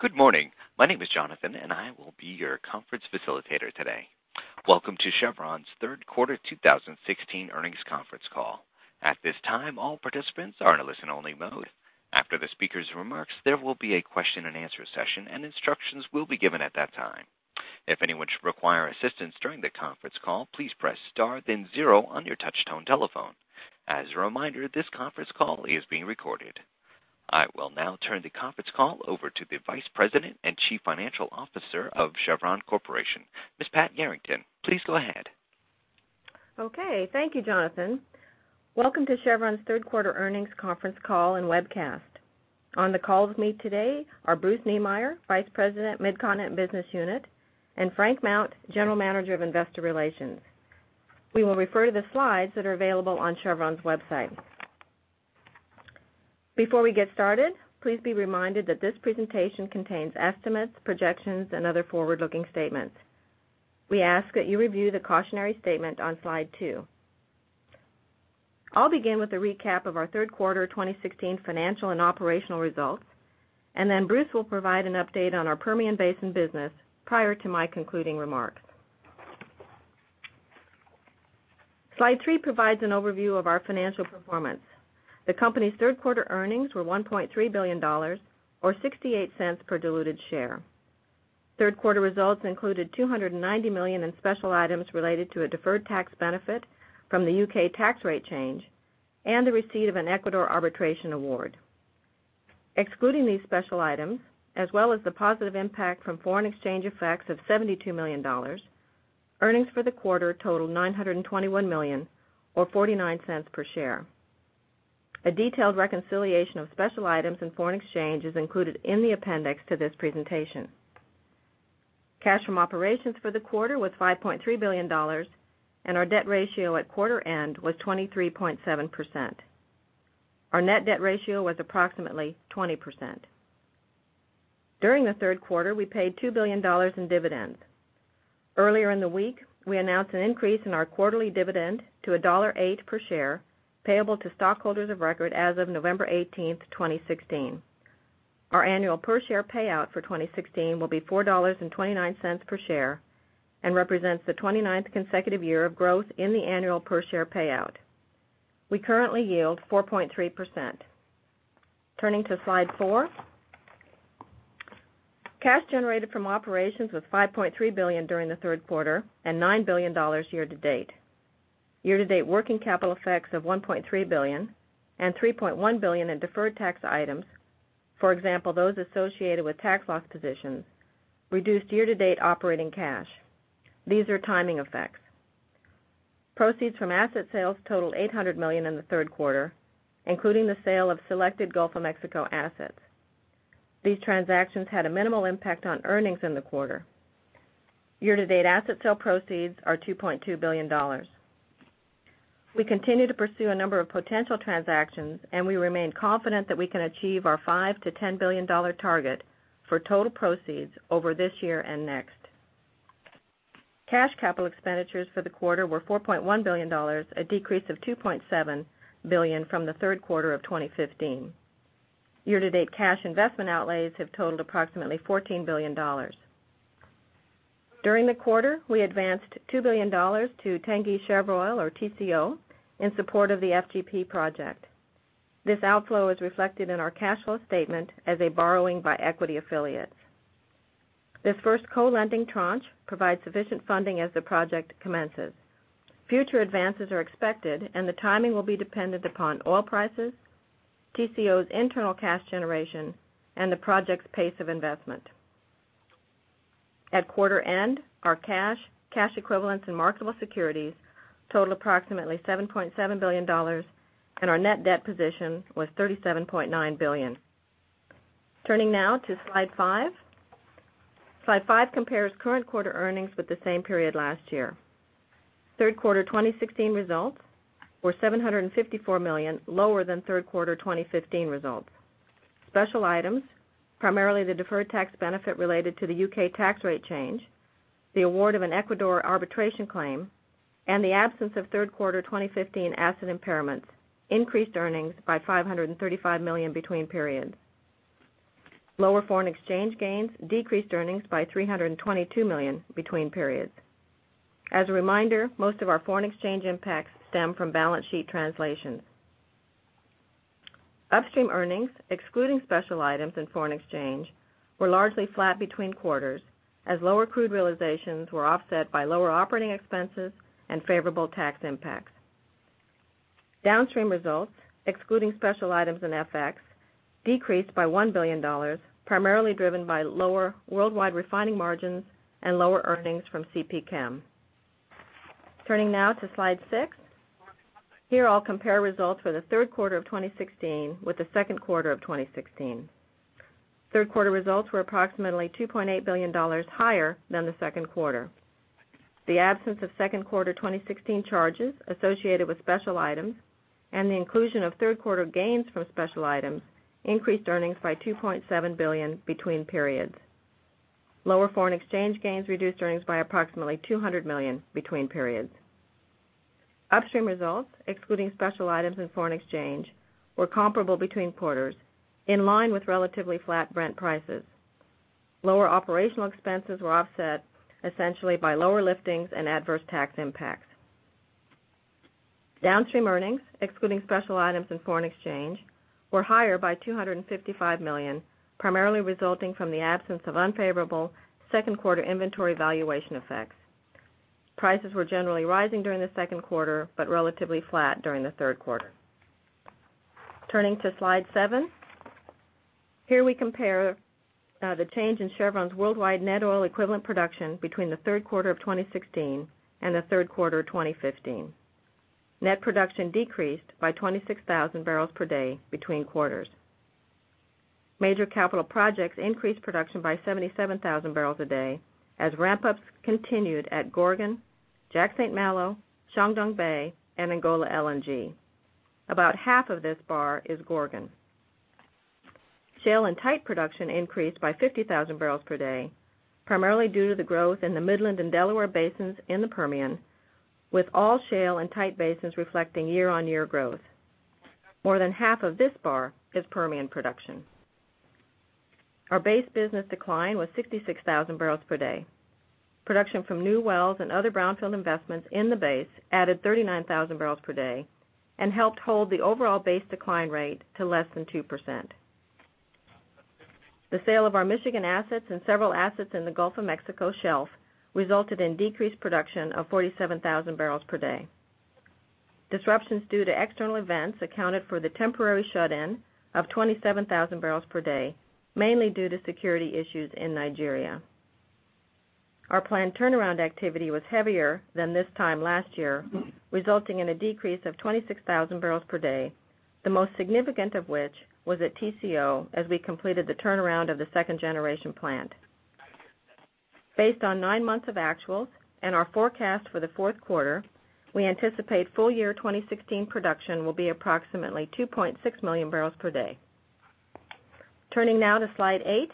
Good morning. My name is Jonathan, and I will be your conference facilitator today. Welcome to Chevron's third quarter 2016 earnings conference call. At this time, all participants are in a listen-only mode. After the speakers' remarks, there will be a question-and-answer session, and instructions will be given at that time. If anyone should require assistance during the conference call, please press star then zero on your touchtone telephone. As a reminder, this conference call is being recorded. I will now turn the conference call over to the Vice President and Chief Financial Officer of Chevron Corporation, Ms. Pat Yarrington. Please go ahead. Okay, thank you, Jonathan. Welcome to Chevron's third quarter earnings conference call and webcast. On the call with me today are Bruce Niemeyer, Vice President, Mid-Continent Business Unit, and Frank Mount, General Manager of Investor Relations. We will refer to the slides that are available on chevron.com. Before we get started, please be reminded that this presentation contains estimates, projections, and other forward-looking statements. We ask that you review the cautionary statement on slide two. I'll begin with a recap of our third quarter 2016 financial and operational results, and then Bruce will provide an update on our Permian Basin business prior to my concluding remarks. Slide three provides an overview of our financial performance. The company's third-quarter earnings were $1.3 billion, or $0.68 per diluted share. Third-quarter results included $290 million in special items related to a deferred tax benefit from the U.K. tax rate change and the receipt of an Ecuador arbitration award. Excluding these special items, as well as the positive impact from foreign exchange effects of $72 million, earnings for the quarter totaled $921 million or $0.49 per share. A detailed reconciliation of special items and foreign exchange is included in the appendix to this presentation. Cash from operations for the quarter was $5.3 billion, and our debt ratio at quarter end was 23.7%. Our net debt ratio was approximately 20%. During the third quarter, we paid $2 billion in dividends. Earlier in the week, we announced an increase in our quarterly dividend to $1.08 per share, payable to stockholders of record as of November 18th, 2016. Our annual per share payout for 2016 will be $4.29 per share and represents the 29th consecutive year of growth in the annual per share payout. We currently yield 4.3%. Turning to slide four. Cash generated from operations was $5.3 billion during the third quarter and $9 billion year-to-date. Year-to-date working capital effects of $1.3 billion and $3.1 billion in deferred tax items, for example, those associated with tax loss positions, reduced year-to-date operating cash. These are timing effects. Proceeds from asset sales totaled $800 million in the third quarter, including the sale of selected Gulf of Mexico assets. These transactions had a minimal impact on earnings in the quarter. Year-to-date asset sale proceeds are $2.2 billion. We continue to pursue a number of potential transactions, and we remain confident that we can achieve our $5 billion-$10 billion target for total proceeds over this year and next. Cash capital expenditures for the quarter were $4.1 billion, a decrease of $2.7 billion from the third quarter of 2015. Year-to-date cash investment outlays have totaled approximately $14 billion. During the quarter, we advanced $2 billion to Tengizchevroil, or TCO, in support of the FGP project. This outflow is reflected in our cash flow statement as a borrowing by equity affiliates. This first co-lending tranche provides sufficient funding as the project commences. Future advances are expected, and the timing will be dependent upon oil prices, TCO's internal cash generation, and the project's pace of investment. At quarter end, our cash equivalents, and marketable securities totaled approximately $7.7 billion, and our net debt position was $37.9 billion. Turning now to slide five. Slide five compares current quarter earnings with the same period last year. Third quarter 2016 results were $754 million lower than third quarter 2015 results. Special items, primarily the deferred tax benefit related to the U.K. tax rate change, the award of an Ecuador arbitration claim, and the absence of third quarter 2015 asset impairments increased earnings by $535 million between periods. Lower foreign exchange gains decreased earnings by $322 million between periods. As a reminder, most of our foreign exchange impacts stem from balance sheet translation. Upstream earnings, excluding special items and foreign exchange, were largely flat between quarters as lower crude realizations were offset by lower operating expenses and favorable tax impacts. Downstream results, excluding special items and FX, decreased by $1 billion, primarily driven by lower worldwide refining margins and lower earnings from CPChem. Turning now to slide six. Here I'll compare results for the third quarter of 2016 with the second quarter of 2016. Third quarter results were approximately $2.8 billion higher than the second quarter. The absence of second quarter 2016 charges associated with special items and the inclusion of third quarter gains from special items increased earnings by $2.7 billion between periods. Lower foreign exchange gains reduced earnings by approximately $200 million between periods. Upstream results, excluding special items in foreign exchange, were comparable between quarters, in line with relatively flat Brent prices. Lower operational expenses were offset essentially by lower liftings and adverse tax impacts. Downstream earnings, excluding special items in foreign exchange, were higher by $255 million, primarily resulting from the absence of unfavorable second quarter inventory valuation effects. Prices were generally rising during the second quarter, but relatively flat during the third quarter. Turning to slide seven. Here we compare the change in Chevron's worldwide net oil equivalent production between the third quarter of 2016 and the third quarter of 2015. Net production decreased by 26,000 barrels per day between quarters. Major capital projects increased production by 77,000 barrels a day as ramp-ups continued at Gorgon, Jack St. Malo, Chuandongbei, and Angola LNG. About half of this bar is Gorgon. Shale and tight production increased by 50,000 barrels per day, primarily due to the growth in the Midland and Delaware basins in the Permian, with all shale and tight basins reflecting year-on-year growth. More than half of this bar is Permian production. Our base business decline was 66,000 barrels per day. Production from new wells and other brownfield investments in the base added 39,000 barrels per day and helped hold the overall base decline rate to less than 2%. The sale of our Michigan assets and several assets in the Gulf of Mexico shelf resulted in decreased production of 47,000 barrels per day. Disruptions due to external events accounted for the temporary shut-in of 27,000 barrels per day, mainly due to security issues in Nigeria. Our planned turnaround activity was heavier than this time last year, resulting in a decrease of 26,000 barrels per day, the most significant of which was at TCO as we completed the turnaround of the second-generation plant. Based on nine months of actuals and our forecast for the fourth quarter, we anticipate full year 2016 production will be approximately 2.6 million barrels per day. Turning now to slide eight.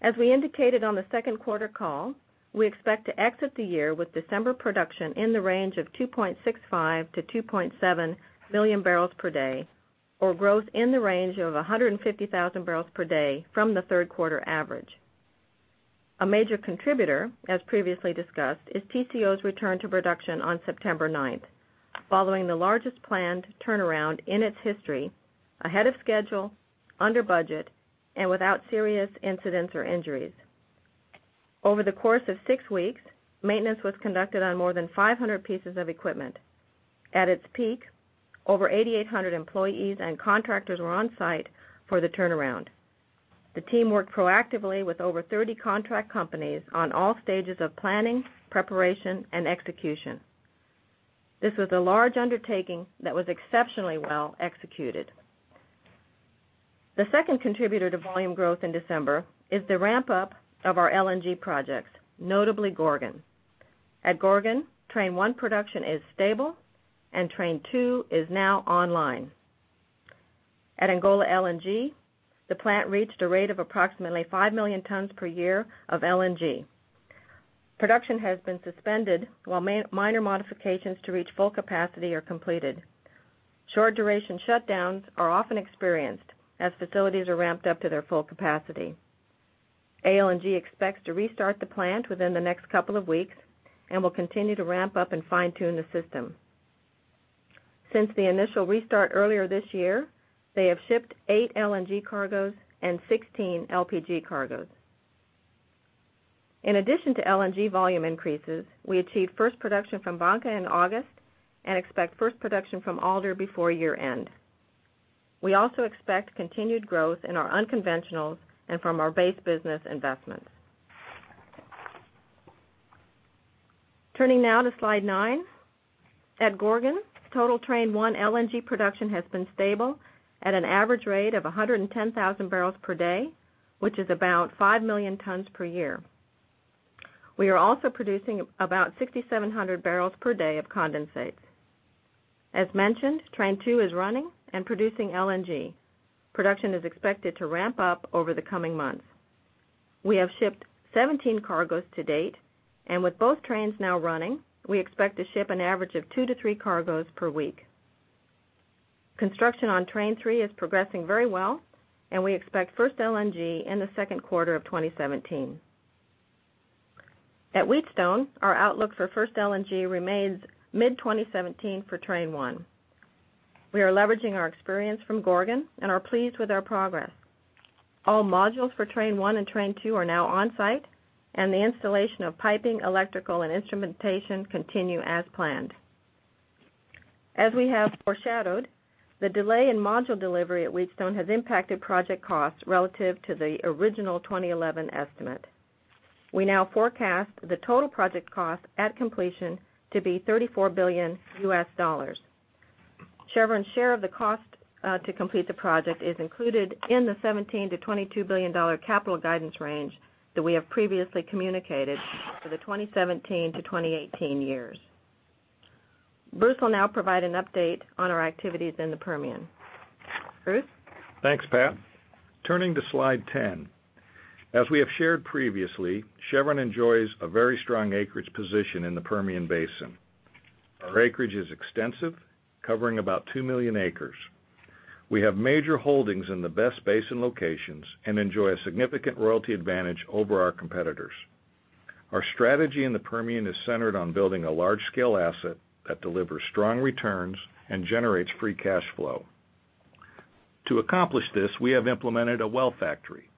As we indicated on the second quarter call, we expect to exit the year with December production in the range of 2.65 to 2.7 million barrels per day, or growth in the range of 150,000 barrels per day from the third quarter average. A major contributor, as previously discussed, is TCO's return to production on September 9th, following the largest planned turnaround in its history, ahead of schedule, under budget, and without serious incidents or injuries. Over the course of six weeks, maintenance was conducted on more than 500 pieces of equipment. At its peak, over 8,800 employees and contractors were on-site for the turnaround. The team worked proactively with over 30 contract companies on all stages of planning, preparation, and execution. This was a large undertaking that was exceptionally well executed. The second contributor to volume growth in December is the ramp-up of our LNG projects, notably Gorgon. At Gorgon, Train 1 production is stable, and Train 2 is now online. At Angola LNG, the plant reached a rate of approximately five million tons per year of LNG. Production has been suspended while minor modifications to reach full capacity are completed. Short-duration shutdowns are often experienced as facilities are ramped up to their full capacity. ALNG expects to restart the plant within the next couple of weeks and will continue to ramp up and fine-tune the system. Since the initial restart earlier this year, they have shipped eight LNG cargoes and 16 LPG cargoes. In addition to LNG volume increases, we achieved first production from Bangka in August and expect first production from Alder before year-end. We also expect continued growth in our unconventionals and from our base business investments. Turning now to slide nine. At Gorgon, total Train 1 LNG production has been stable at an average rate of 110,000 barrels per day, which is about five million tons per year. We are also producing about 6,700 barrels per day of condensate. As mentioned, Train 2 is running and producing LNG. Production is expected to ramp up over the coming months. We have shipped 17 cargoes to date, and with both trains now running, we expect to ship an average of two to three cargoes per week. Construction on Train 3 is progressing very well, and we expect first LNG in the second quarter of 2017. At Wheatstone, our outlook for first LNG remains mid-2017 for Train 1. We are leveraging our experience from Gorgon and are pleased with our progress. All modules for Train 1 and Train 2 are now on-site, and the installation of piping, electrical, and instrumentation continue as planned. As we have foreshadowed, the delay in module delivery at Wheatstone has impacted project costs relative to the original 2011 estimate. We now forecast the total project cost at completion to be $34 billion. Chevron's share of the cost to complete the project is included in the $17 billion-$22 billion capital guidance range that we have previously communicated for the 2017 to 2018 years. Bruce will now provide an update on our activities in the Permian. Bruce? Thanks, Pat. Turning to slide 10. As we have shared previously, Chevron enjoys a very strong acreage position in the Permian Basin. Our acreage is extensive, covering about two million acres. We have major holdings in the best basin locations and enjoy a significant royalty advantage over our competitors. Our strategy in the Permian is centered on building a large-scale asset that delivers strong returns and generates free cash flow. To accomplish this, we have implemented a well factory,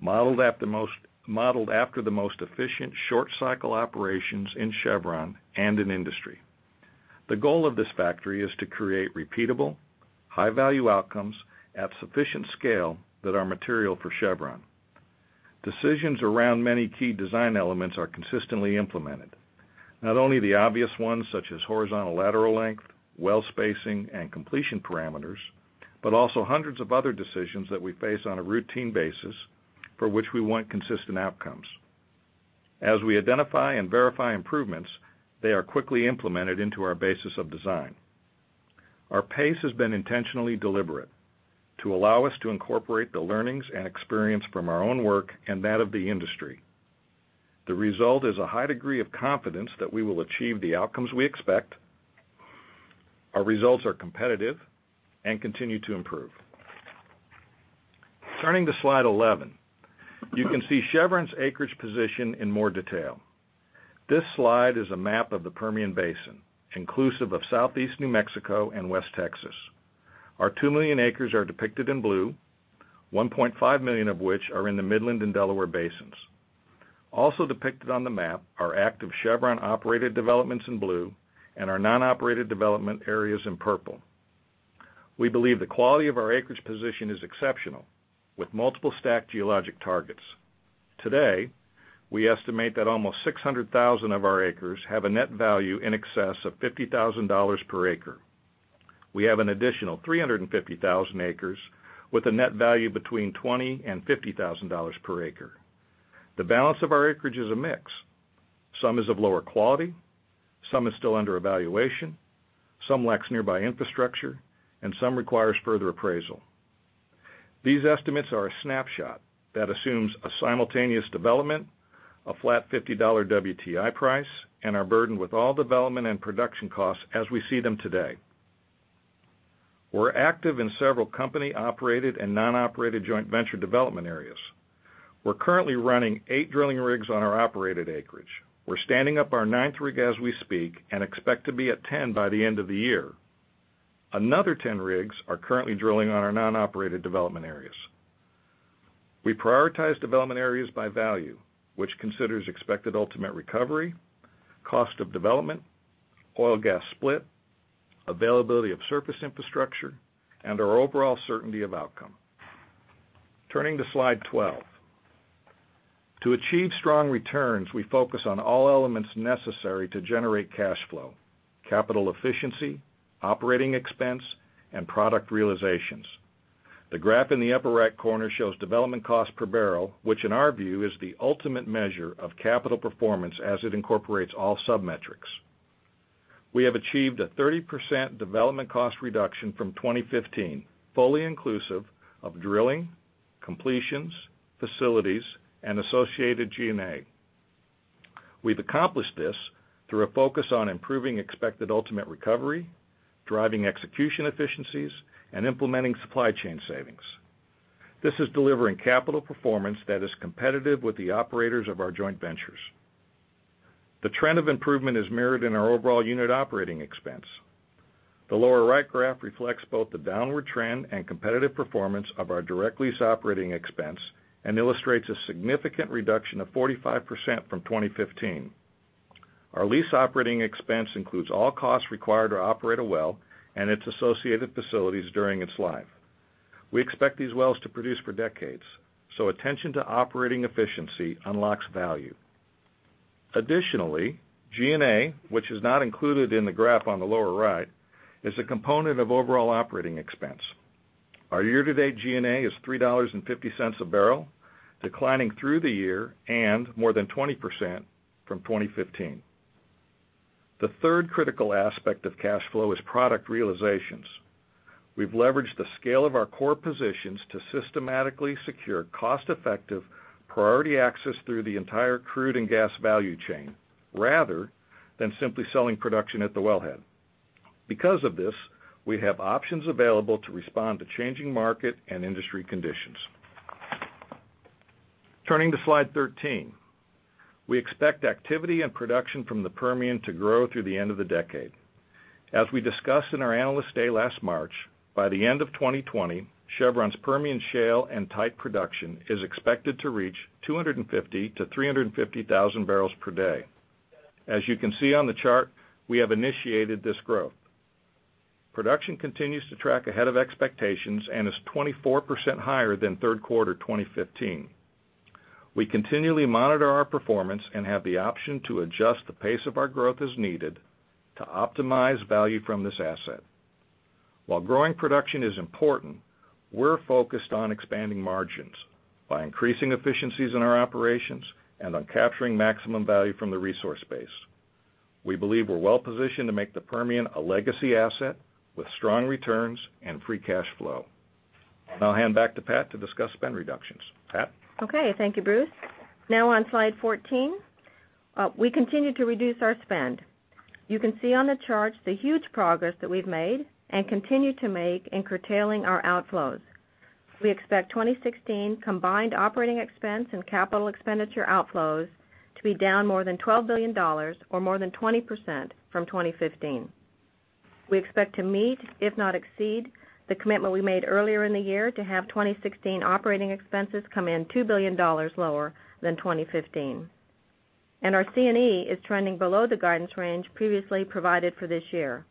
modeled after the most efficient short-cycle operations in Chevron and in the industry. The goal of this factory is to create repeatable, high-value outcomes at sufficient scale that are material for Chevron. Decisions around many key design elements are consistently implemented. Not only the obvious ones such as horizontal lateral length, well spacing, and completion parameters, but also hundreds of other decisions that we face on a routine basis for which we want consistent outcomes. As we identify and verify improvements, they are quickly implemented into our basis of design. Our pace has been intentionally deliberate to allow us to incorporate the learnings and experience from our own work and that of the industry. The result is a high degree of confidence that we will achieve the outcomes we expect. Our results are competitive and continue to improve. Turning to slide 11, you can see Chevron's acreage position in more detail. This slide is a map of the Permian Basin, inclusive of Southeast New Mexico and West Texas. Our two million acres are depicted in blue, 1.5 million of which are in the Midland and Delaware Basins. Also depicted on the map are active Chevron-operated developments in blue and our non-operated development areas in purple. We believe the quality of our acreage position is exceptional, with multiple stacked geologic targets. Today, we estimate that almost 600,000 of our acres have a net value in excess of $50,000 per acre. We have an additional 350,000 acres with a net value between $20,000 and $50,000 per acre. The balance of our acreage is a mix. Some is of lower quality, some is still under evaluation, some lacks nearby infrastructure, and some requires further appraisal. These estimates are a snapshot that assumes a simultaneous development, a flat $50 WTI price, and are burdened with all development and production costs as we see them today. We're active in several company-operated and non-operated joint venture development areas. We're currently running eight drilling rigs on our operated acreage. We're standing up our ninth rig as we speak and expect to be at 10 by the end of the year. Another 10 rigs are currently drilling on our non-operated development areas. We prioritize development areas by value, which considers expected ultimate recovery, cost of development, oil/gas split, availability of surface infrastructure, and our overall certainty of outcome. Turning to slide 12. To achieve strong returns, we focus on all elements necessary to generate cash flow, capital efficiency, operating expense, and product realizations. The graph in the upper right corner shows development cost per barrel, which in our view is the ultimate measure of capital performance as it incorporates all sub-metrics. We have achieved a 30% development cost reduction from 2015, fully inclusive of drilling, completions, facilities, and associated G&A. We've accomplished this through a focus on improving expected ultimate recovery, driving execution efficiencies, and implementing supply chain savings. This is delivering capital performance that is competitive with the operators of our joint ventures. The trend of improvement is mirrored in our overall unit operating expense. The lower right graph reflects both the downward trend and competitive performance of our direct lease operating expense and illustrates a significant reduction of 45% from 2015. Our lease operating expense includes all costs required to operate a well and its associated facilities during its life. We expect these wells to produce for decades, so attention to operating efficiency unlocks value. Additionally, G&A, which is not included in the graph on the lower right, is a component of overall operating expense. Our year-to-date G&A is $3.50 a barrel, declining through the year and more than 20% from 2015. The third critical aspect of cash flow is product realizations. We've leveraged the scale of our core positions to systematically secure cost-effective priority access through the entire crude and gas value chain, rather than simply selling production at the wellhead. Because of this, we have options available to respond to changing market and industry conditions. Turning to slide 13. We expect activity and production from the Permian to grow through the end of the decade. As we discussed in our Analyst Day last March, by the end of 2020, Chevron's Permian shale and tight production is expected to reach 250,000 to 350,000 barrels per day. As you can see on the chart, we have initiated this growth. Production continues to track ahead of expectations and is 24% higher than third quarter 2015. We continually monitor our performance and have the option to adjust the pace of our growth as needed to optimize value from this asset. While growing production is important, we're focused on expanding margins by increasing efficiencies in our operations and on capturing maximum value from the resource base. We believe we're well positioned to make the Permian a legacy asset with strong returns and free cash flow. Now I'll hand back to Pat to discuss spend reductions. Pat? Thank you, Bruce. On slide 14, we continue to reduce our spend. You can see on the chart the huge progress that we've made and continue to make in curtailing our outflows. We expect 2016 combined operating expense and capital expenditure outflows to be down more than $12 billion or more than 20% from 2015. We expect to meet, if not exceed, the commitment we made earlier in the year to have 2016 operating expenses come in $2 billion lower than 2015. Our C&E is trending below the guidance range previously provided for this year.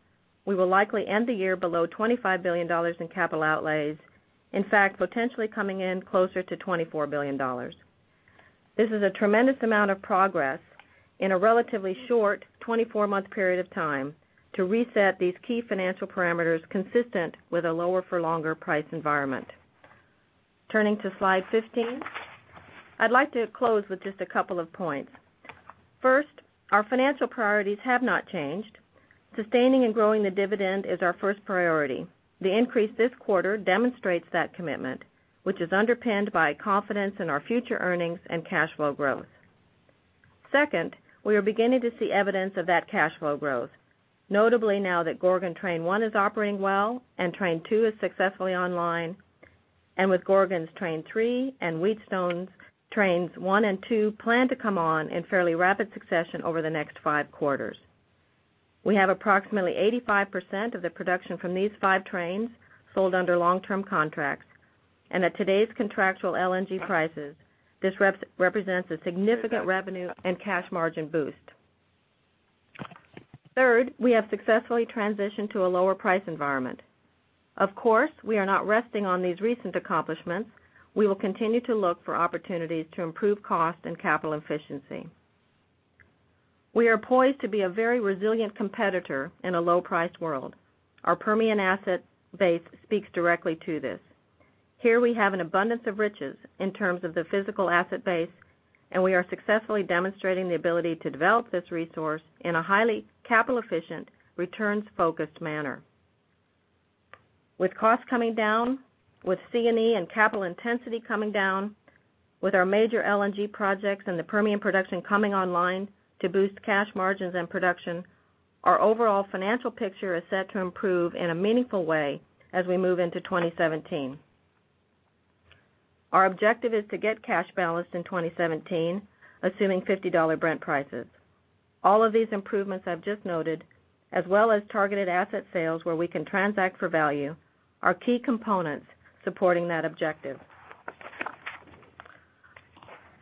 We will likely end the year below $25 billion in capital outlays, in fact, potentially coming in closer to $24 billion. This is a tremendous amount of progress in a relatively short 24-month period of time to reset these key financial parameters consistent with a lower for longer price environment. Turning to slide 15, I'd like to close with just a couple of points. First, our financial priorities have not changed. Sustaining and growing the dividend is our first priority. The increase this quarter demonstrates that commitment, which is underpinned by confidence in our future earnings and cash flow growth. Second, we are beginning to see evidence of that cash flow growth, notably now that Gorgon Train 1 is operating well and Train 2 is successfully online, and with Gorgon's Train 3 and Wheatstone's Trains 1 and 2 planned to come on in fairly rapid succession over the next five quarters. We have approximately 85% of the production from these five trains sold under long-term contracts, and at today's contractual LNG prices, this represents a significant revenue and cash margin boost. Third, we have successfully transitioned to a lower price environment. Of course, we are not resting on these recent accomplishments. We will continue to look for opportunities to improve cost and capital efficiency. We are poised to be a very resilient competitor in a low-price world. Our Permian asset base speaks directly to this. Here we have an abundance of riches in terms of the physical asset base, and we are successfully demonstrating the ability to develop this resource in a highly capital-efficient, returns-focused manner. With costs coming down, with C&E and capital intensity coming down, with our major LNG projects and the Permian production coming online to boost cash margins and production, our overall financial picture is set to improve in a meaningful way as we move into 2017. Our objective is to get cash balanced in 2017, assuming $50 Brent prices. All of these improvements I've just noted, as well as targeted asset sales where we can transact for value, are key components supporting that objective.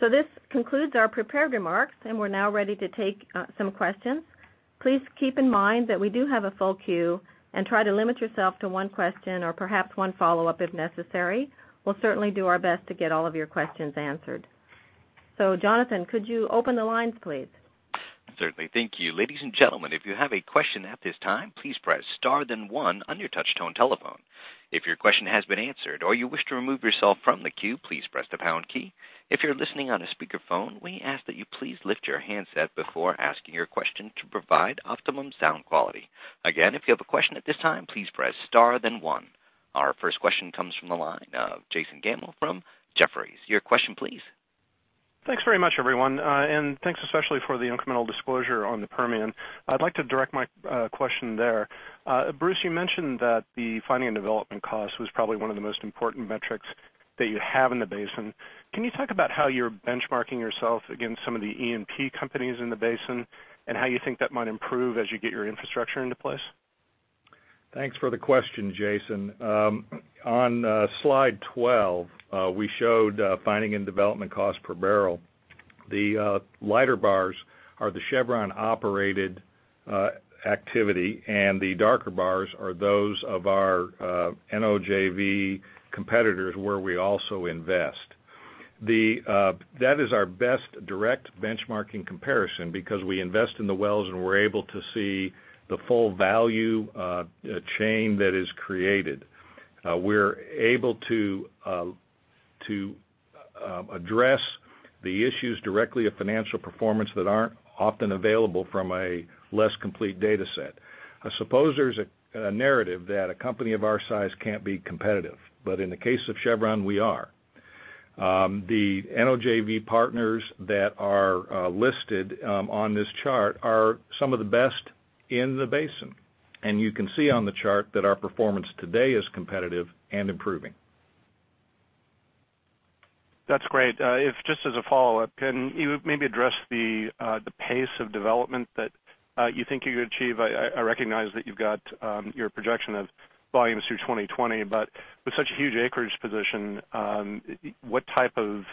This concludes our prepared remarks, and we're now ready to take some questions. Please keep in mind that we do have a full queue and try to limit yourself to one question or perhaps one follow-up if necessary. We'll certainly do our best to get all of your questions answered. Jonathan, could you open the lines, please? Certainly. Thank you. Ladies and gentlemen, if you have a question at this time, please press star then one on your touch-tone telephone. If your question has been answered or you wish to remove yourself from the queue, please press the pound key. If you're listening on a speakerphone, we ask that you please lift your handset before asking your question to provide optimum sound quality. Again, if you have a question at this time, please press star then one. Our first question comes from the line of Jason Gabelman from Jefferies. Your question please. Thanks very much, everyone. Thanks especially for the incremental disclosure on the Permian. I'd like to direct my question there. Bruce, you mentioned that the finding and development cost was probably one of the most important metrics that you have in the basin. Can you talk about how you're benchmarking yourself against some of the E&P companies in the basin and how you think that might improve as you get your infrastructure into place? Thanks for the question, Jason. On slide 12, we showed finding and development cost per barrel. The lighter bars are the Chevron-operated activity, and the darker bars are those of our NOJV competitors where we also invest. That is our best direct benchmarking comparison because we invest in the wells, and we're able to see the full value chain that is created. We're able to address the issues directly of financial performance that aren't often available from a less complete data set. I suppose there's a narrative that a company of our size can't be competitive, but in the case of Chevron, we are. The NOJV partners that are listed on this chart are some of the best in the basin, and you can see on the chart that our performance today is competitive and improving. That's great. If just as a follow-up, can you maybe address the pace of development that you think you could achieve? I recognize that you've got your projection of volumes through 2020, but with such a huge acreage position, what type of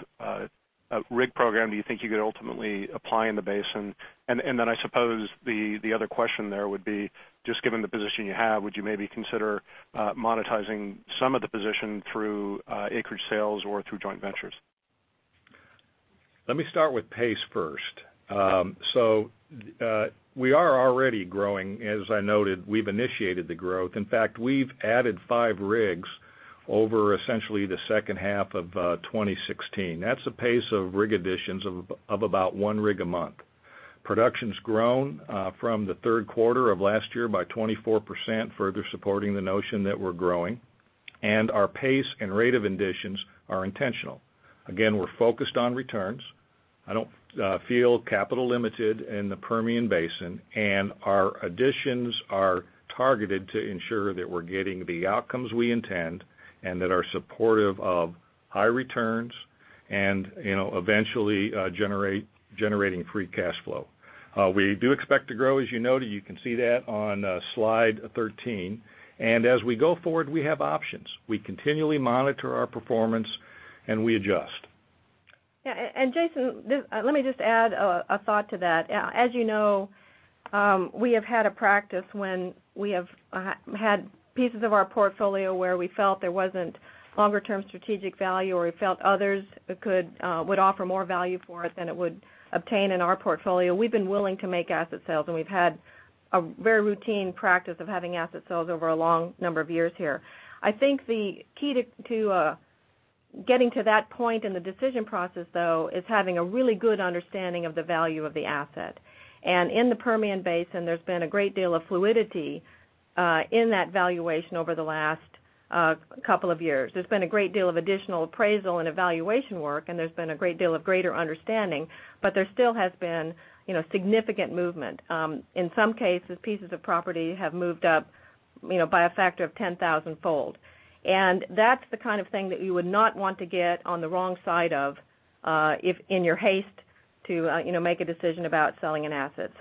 rig program do you think you could ultimately apply in the basin? Then I suppose the other question there would be just given the position you have, would you maybe consider monetizing some of the position through acreage sales or through joint ventures? Let me start with pace first. We are already growing. As I noted, we've initiated the growth. In fact, we've added 5 rigs over essentially the second half of 2016. That's a pace of rig additions of about 1 rig a month. Production's grown from the third quarter of last year by 24%, further supporting the notion that we're growing, and our pace and rate of additions are intentional. Again, we're focused on returns. I don't feel capital limited in the Permian Basin, and our additions are targeted to ensure that we're getting the outcomes we intend and that are supportive of high returns and eventually generating free cash flow. We do expect to grow, as you noted, you can see that on slide 13. As we go forward, we have options. We continually monitor our performance, and we adjust. Jason, let me just add a thought to that. As you know, we have had a practice when we have had pieces of our portfolio where we felt there wasn't longer-term strategic value, or we felt others would offer more value for it than it would obtain in our portfolio. We've been willing to make asset sales, and we've had a very routine practice of having asset sales over a long number of years here. I think the key to getting to that point in the decision process, though, is having a really good understanding of the value of the asset. In the Permian Basin, there's been a great deal of fluidity in that valuation over the last couple of years. There's been a great deal of additional appraisal and evaluation work. There's been a great deal of greater understanding, but there still has been significant movement. In some cases, pieces of property have moved up by a factor of ten thousandfold. That's the kind of thing that you would not want to get on the wrong side of in your haste to make a decision about selling an asset.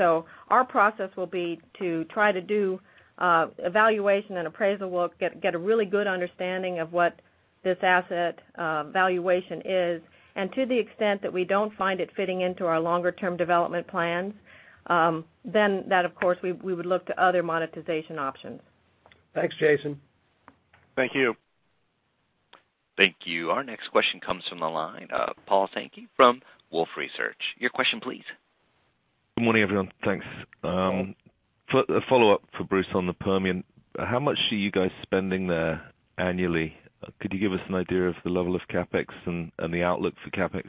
Our process will be to try to do evaluation and appraisal work, get a really good understanding of what this asset valuation is, and to the extent that we don't find it fitting into our longer-term development plans, that, of course, we would look to other monetization options. Thanks, Jason. Thank you. Thank you. Our next question comes from the line of Paul Sankey from Wolfe Research. Your question, please. Good morning, everyone. Thanks. A follow-up for Bruce on the Permian. How much are you guys spending there annually? Could you give us an idea of the level of CapEx and the outlook for CapEx?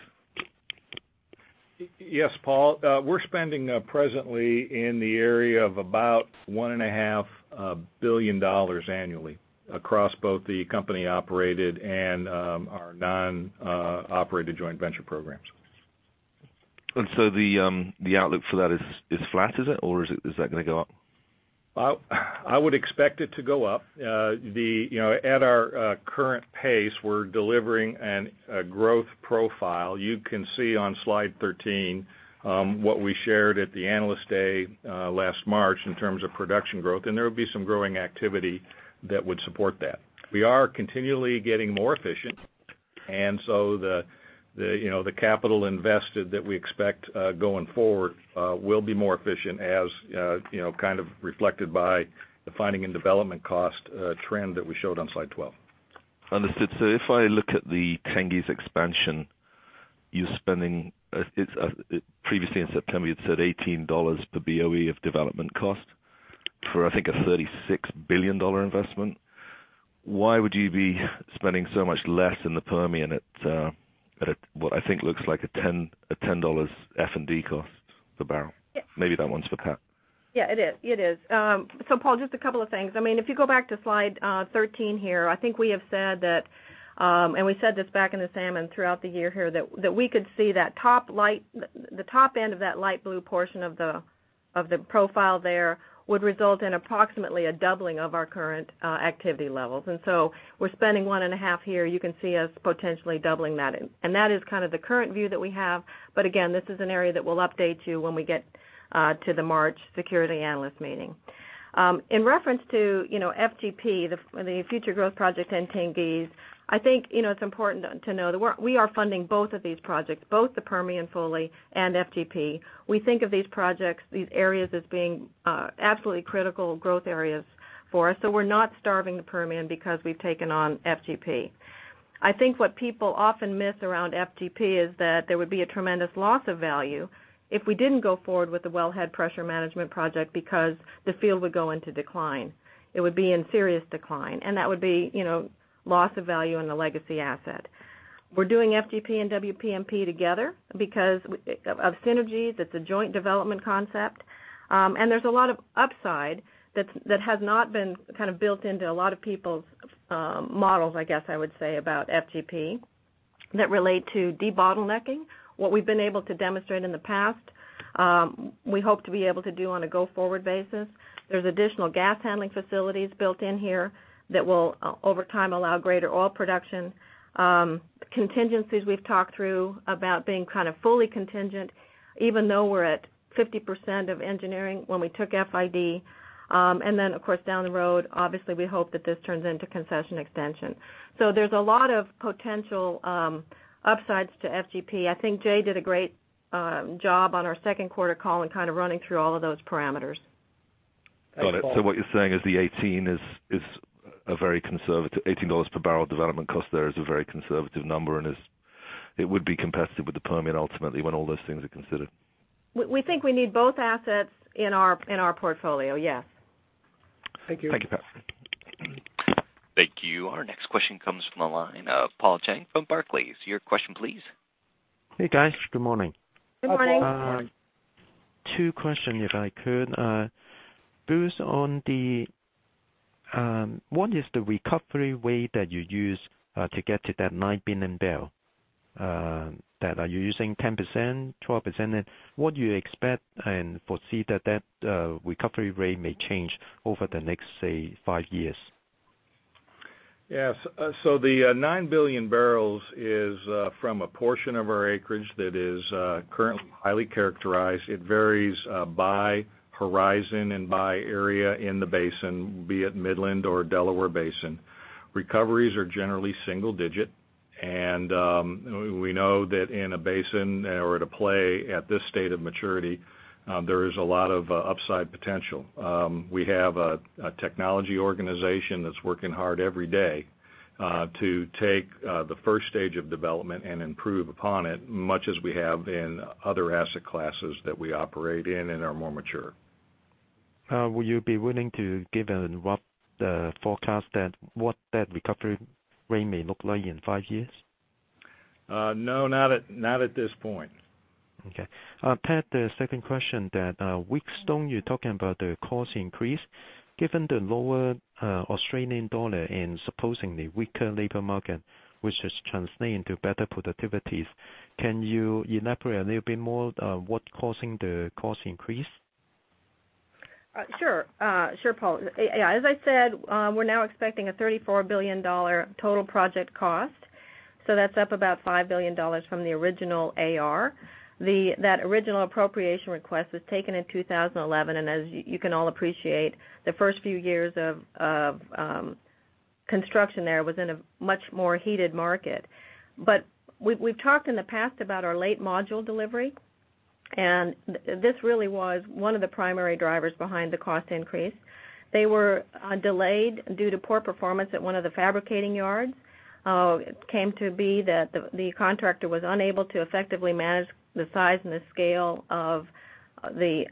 Yes, Paul. We're spending presently in the area of about $1.5 billion annually across both the company operated and our non-operated joint venture programs. The outlook for that is flat, is it? Or is that going to go up? Well, I would expect it to go up. At our current pace, we're delivering a growth profile. You can see on slide 13 what we shared at the Analyst Day last March in terms of production growth, and there will be some growing activity that would support that. We are continually getting more efficient, and so the capital invested that we expect going forward will be more efficient, as kind of reflected by the finding and development cost trend that we showed on slide 12. Understood. If I look at the Tengiz expansion, you're spending previously in September, you'd said $18 per BOE of development cost for, I think, a $36 billion investment. Why would you be spending so much less in the Permian at what I think looks like a $10 F&D cost per barrel? Yes. Maybe that one's for Pat. Yeah, it is. Paul, just a couple of things. If you go back to slide 13 here, I think we have said that, and we said this back in the summer and throughout the year here, that we could see the top end of that light blue portion of the profile there would result in approximately a doubling of our current activity levels. We're spending $1.5 here. You can see us potentially doubling that in. That is kind of the current view that we have. Again, this is an area that we'll update you when we get to the March security analyst meeting. In reference to FGP, the Future Growth Project and Tengiz, I think it's important to know that we are funding both of these projects, both the Permian fully and FGP. We think of these projects, these areas, as being absolutely critical growth areas for us. We're not starving the Permian because we've taken on FGP. I think what people often miss around FGP is that there would be a tremendous loss of value if we didn't go forward with the Wellhead Pressure Management Project because the field would go into decline. It would be in serious decline, and that would be loss of value in the legacy asset. We're doing FGP and WPMP together because of synergies. It's a joint development concept. There's a lot of upside that has not been built into a lot of people's models, I guess I would say, about FGP that relate to debottlenecking. What we've been able to demonstrate in the past, we hope to be able to do on a go-forward basis. There's additional gas handling facilities built in here that will, over time, allow greater oil production. Contingencies we've talked through about being fully contingent, even though we're at 50% of engineering when we took FID. Then, of course, down the road, obviously, we hope that this turns into concession extension. There's a lot of potential upsides to FGP. I think Jay did a great job on our second quarter call in running through all of those parameters. Thanks, Paul. Got it. What you're saying is $18 per barrel development cost there is a very conservative number and It would be competitive with the Permian ultimately when all those things are considered? We think we need both assets in our portfolio, yes. Thank you. Thank you, Paul. Thank you. Our next question comes from the line of Paul Cheng from Barclays. Your question, please. Hey, guys. Good morning. Good morning. Good morning. Two question if I could. Bruce, what is the recovery rate that you use to get to that 9 billion barrel? Are you using 10%, 12%? What do you expect and foresee that recovery rate may change over the next, say, five years? Yes. The 9 billion barrels is from a portion of our acreage that is currently highly characterized. It varies by horizon and by area in the basin, be it Midland or Delaware Basin. Recoveries are generally single digit. We know that in a basin or at a play at this state of maturity, there is a lot of upside potential. We have a technology organization that's working hard every day to take the first stage of development and improve upon it, much as we have in other asset classes that we operate in and are more mature. Will you be willing to give a rough forecast what that recovery rate may look like in five years? No, not at this point. Okay. Pat, the second question that Wheatstone, you're talking about the cost increase. Given the lower Australian dollar and supposedly weaker labor market, which is translating to better productivities, can you elaborate a little bit more what causing the cost increase? Sure. Sure, Paul. As I said, we're now expecting a $34 billion total project cost. That's up about $5 billion from the original AR. That original appropriation request was taken in 2011, As you can all appreciate, the first few years of construction there was in a much more heated market. We've talked in the past about our late module delivery, and this really was one of the primary drivers behind the cost increase. They were delayed due to poor performance at one of the fabricating yards. It came to be that the contractor was unable to effectively manage the size and the scale of the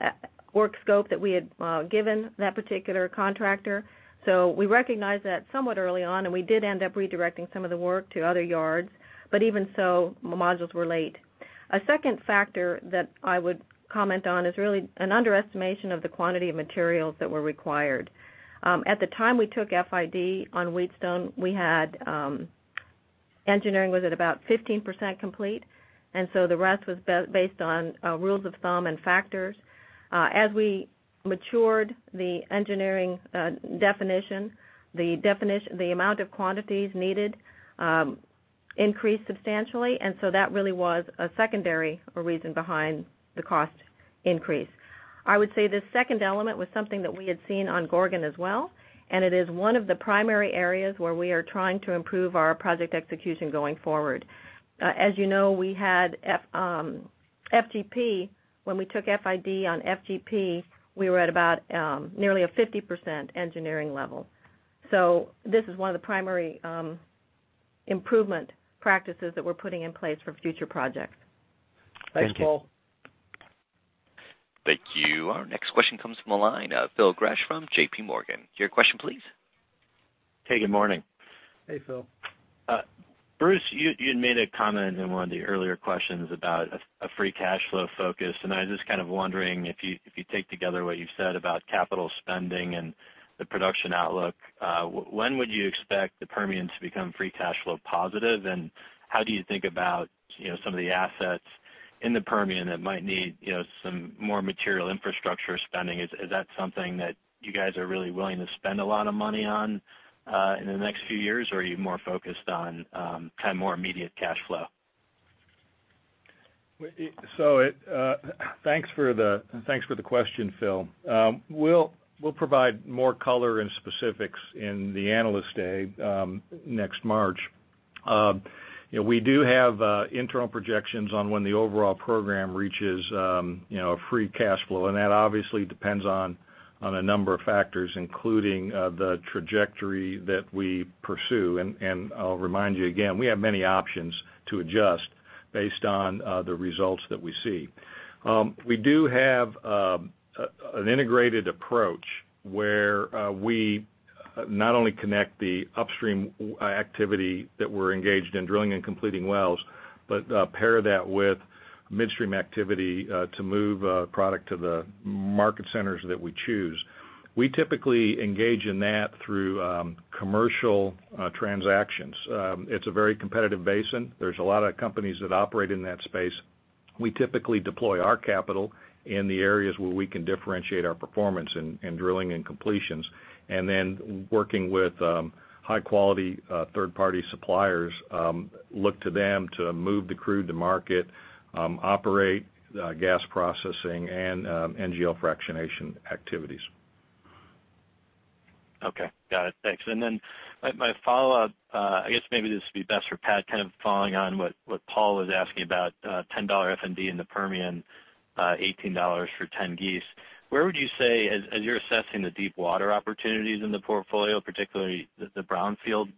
work scope that we had given that particular contractor. We recognized that somewhat early on, and we did end up redirecting some of the work to other yards. Even so, modules were late. A second factor that I would comment on is really an underestimation of the quantity of materials that were required. At the time we took FID on Wheatstone, engineering was at about 15% complete. The rest was based on rules of thumb and factors. As we matured the engineering definition, the amount of quantities needed increased substantially. That really was a secondary reason behind the cost increase. I would say this second element was something that we had seen on Gorgon as well, It is one of the primary areas where we are trying to improve our project execution going forward. As you know, when we took FID on FGP, we were at about nearly a 50% engineering level. This is one of the primary improvement practices that we're putting in place for future projects. Thank you. Thanks, Paul. Thank you. Our next question comes from the line of Phil Gresh from JP Morgan. Your question, please. Hey, good morning. Hey, Phil. I was just kind of wondering if you take together what you've said about capital spending and the production outlook, when would you expect the Permian to become free cash flow positive? How do you think about some of the assets in the Permian that might need some more material infrastructure spending? Is that something that you guys are really willing to spend a lot of money on in the next few years, or are you more focused on more immediate cash flow? Thanks for the question, Phil. We'll provide more color and specifics in the Analyst Day next March. We do have internal projections on when the overall program reaches free cash flow, and that obviously depends on a number of factors, including the trajectory that we pursue. I'll remind you again, we have many options to adjust based on the results that we see. We do have an integrated approach where we not only connect the upstream activity that we're engaged in drilling and completing wells, but pair that with midstream activity to move product to the market centers that we choose. We typically engage in that through commercial transactions. It's a very competitive basin. There's a lot of companies that operate in that space. We typically deploy our capital in the areas where we can differentiate our performance in drilling and completions, and then working with high-quality third-party suppliers look to them to move the crude to market, operate gas processing, and NGL fractionation activities. Okay. Got it. Thanks. My follow-up, I guess maybe this would be best for Pat, kind of following on what Paul was asking about $10 F&D in the Permian. $18 for Tengiz. Where would you say, as you're assessing the deep water opportunities in the portfolio, particularly the brownfield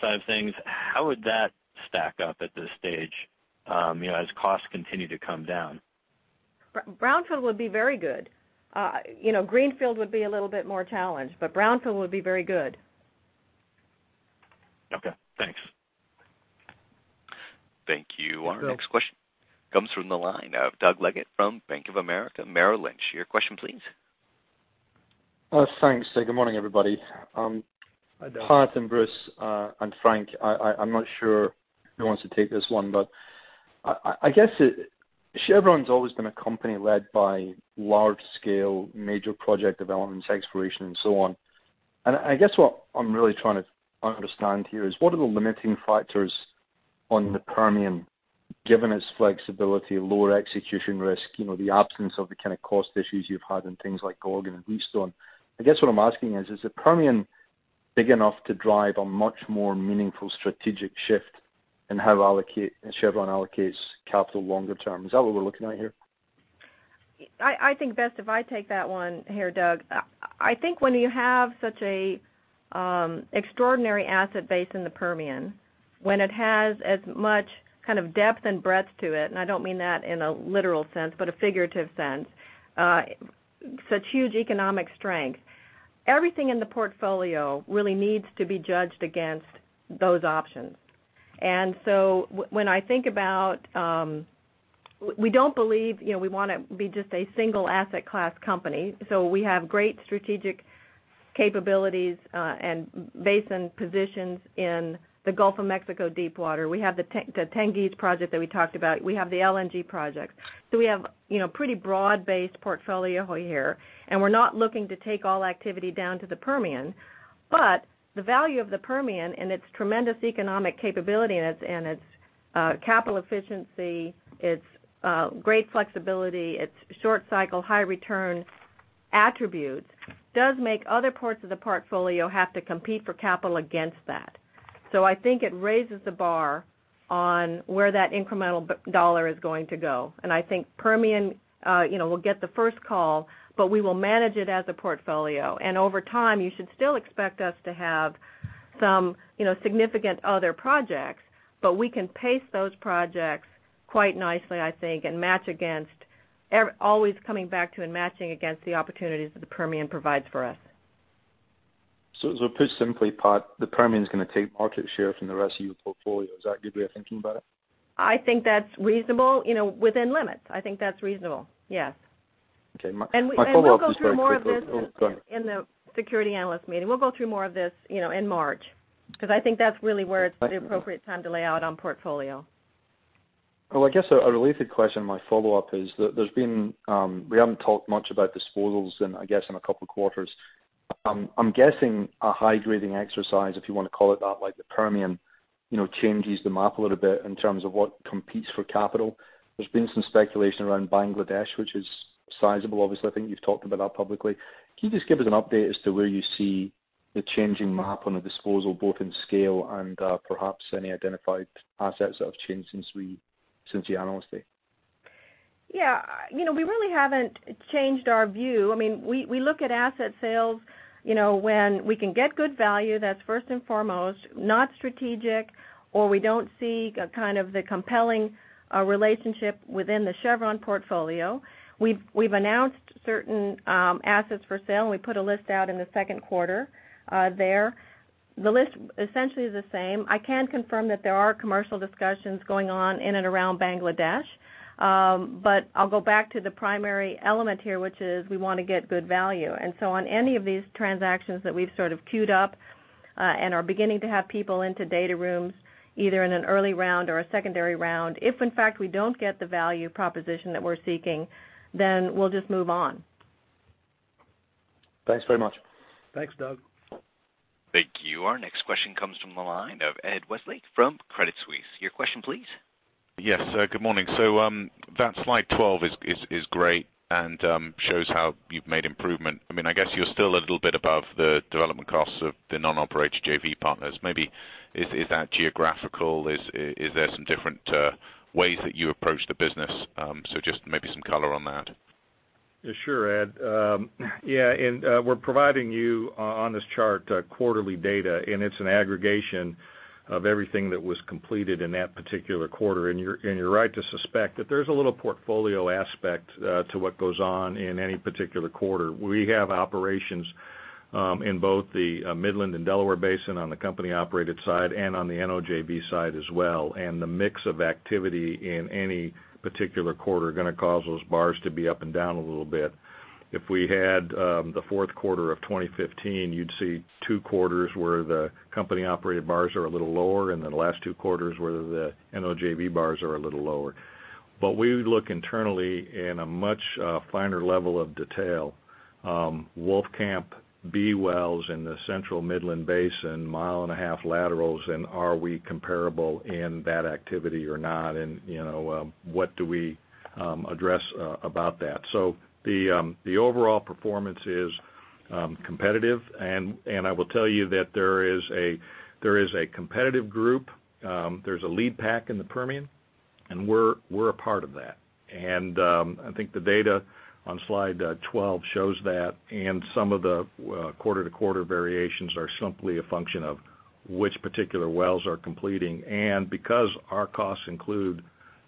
side of things, how would that stack up at this stage as costs continue to come down? Brownfield would be very good. greenfield would be a little bit more challenged, brownfield would be very good. Okay, thanks. Thank you. Our next question comes from the line of Doug Leggate from Bank of America Merrill Lynch. Your question please. Thanks. Good morning, everybody. Pat and Bruce and Frank, I'm not sure who wants to take this one, but I guess Chevron's always been a company led by large scale major project developments, exploration, and so on. I guess what I'm really trying to understand here is what are the limiting factors on the Permian, given its flexibility, lower execution risk, the absence of the kind of cost issues you've had in things like Gorgon and Wheatstone? I guess what I'm asking is the Permian big enough to drive a much more meaningful strategic shift in how Chevron allocates capital longer term? Is that what we're looking at here? I think best if I take that one here, Doug. I think when you have such a extraordinary asset base in the Permian, when it has as much kind of depth and breadth to it, I don't mean that in a literal sense, but a figurative sense, such huge economic strength. Everything in the portfolio really needs to be judged against those options. When I think about, we don't believe we want to be just a single asset class company. We have great strategic capabilities, and basin positions in the Gulf of Mexico deepwater. We have the Tengiz project that we talked about. We have the LNG project. We have pretty broad-based portfolio here, and we're not looking to take all activity down to the Permian. The value of the Permian and its tremendous economic capability and its capital efficiency, its great flexibility, its short cycle, high return attributes, does make other parts of the portfolio have to compete for capital against that. I think it raises the bar on where that incremental dollar is going to go. I think Permian will get the first call, but we will manage it as a portfolio. Over time, you should still expect us to have some significant other projects, but we can pace those projects quite nicely, I think, and match against always coming back to and matching against the opportunities that the Permian provides for us. Put simply, Pat, the Permian's going to take market share from the rest of your portfolio. Is that a good way of thinking about it? I think that's reasonable within limits. I think that's reasonable, yes. Okay. My follow-up is very quick. Oh, go ahead. We'll go through more of this in the security analyst meeting. We'll go through more of this in March, because I think that's really where it's the appropriate time to lay out on portfolio. Well, I guess a related question on my follow-up is there's been, we haven't talked much about disposals in, I guess, in a couple of quarters. I'm guessing a high grading exercise, if you want to call it that, like the Permian changes the map a little bit in terms of what competes for capital. There's been some speculation around Bangladesh, which is sizable, obviously. I think you've talked about that publicly. Can you just give us an update as to where you see the changing map on the disposal, both in scale and perhaps any identified assets that have changed since the analyst day? Yeah. We really haven't changed our view. We look at asset sales when we can get good value, that's first and foremost, not strategic or we don't see kind of the compelling relationship within the Chevron portfolio. We've announced certain assets for sale, we put a list out in the second quarter there. The list essentially is the same. I can confirm that there are commercial discussions going on in and around Bangladesh. I'll go back to the primary element here, which is we want to get good value. On any of these transactions that we've sort of queued up, and are beginning to have people into data rooms, either in an early round or a secondary round. If in fact we don't get the value proposition that we're seeking, then we'll just move on. Thanks very much. Thanks, Doug. Thank you. Our next question comes from the line of Ed Westlake from Credit Suisse. Your question, please. Yes. Good morning. That slide 12 is great and shows how you've made improvement. I guess you're still a little bit above the development costs of the non-op JV partners. Maybe is that geographical? Is there some different ways that you approach the business? Just maybe some color on that. Sure, Ed. We're providing you on this chart quarterly data, and it's an aggregation of everything that was completed in that particular quarter. You're right to suspect that there's a little portfolio aspect to what goes on in any particular quarter. We have operations in both the Midland and Delaware Basin on the company operated side and on the NOJV side as well, and the mix of activity in any particular quarter are going to cause those bars to be up and down a little bit. If we had the fourth quarter of 2015, you'd see two quarters where the company operated bars are a little lower, then the last two quarters where the NOJV bars are a little lower. We look internally in a much finer level of detail. Wolfcamp B wells in the Central Midland Basin, mile and a half laterals, are we comparable in that activity or not? What do we address about that? The overall performance is competitive. I will tell you that there is a competitive group. There's a lead pack in the Permian, and we're a part of that. I think the data on slide 12 shows that and some of the quarter-to-quarter variations are simply a function of which particular wells are completing. Because our costs include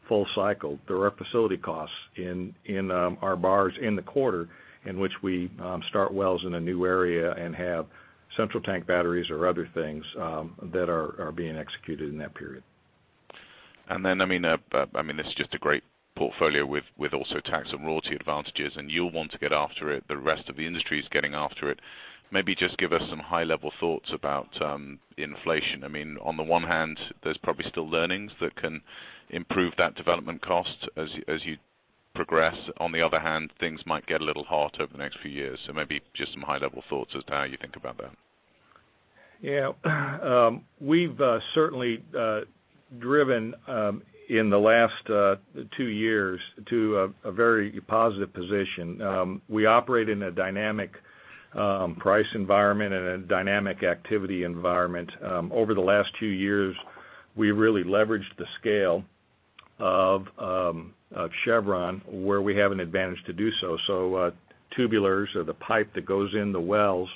full cycle direct facility costs in our bars in the quarter in which we start wells in a new area and have central tank batteries or other things that are being executed in that period. This is just a great portfolio with also tax and royalty advantages, and you'll want to get after it. The rest of the industry is getting after it. Maybe just give us some high-level thoughts about inflation. On the one hand, there's probably still learnings that can improve that development cost as you progress. On the other hand, things might get a little hard over the next few years. Maybe just some high-level thoughts as to how you think about that. Yeah. We've certainly driven in the last two years to a very positive position. We operate in a dynamic price environment and a dynamic activity environment. Over the last two years, we really leveraged the scale of Chevron where we have an advantage to do so. Tubulars or the pipe that goes in the wells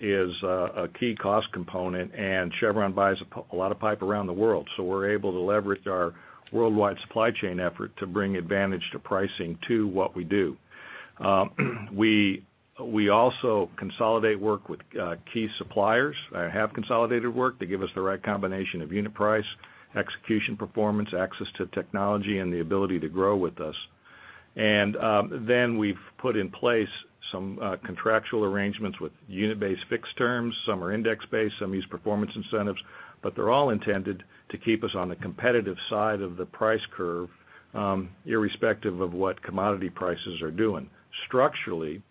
is a key cost component, and Chevron buys a lot of pipe around the world. We're able to leverage our worldwide supply chain effort to bring advantage to pricing to what we do. We also consolidate work with key suppliers. I have consolidated work. They give us the right combination of unit price, execution performance, access to technology, and the ability to grow with us. We've put in place some contractual arrangements with unit-based fixed terms. Some are index-based, some use performance incentives, they're all intended to keep us on the competitive side of the price curve, irrespective of what commodity prices are doing. Structurally,